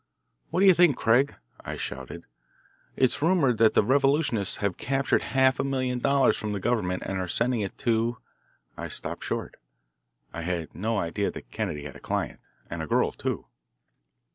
"What do you think, Craig" I shouted. "It is rumoured that the revolutionists have captured half a million dollars from the government and are sending it to " I stopped short. I had no idea that Kennedy had a client, and a girl, too.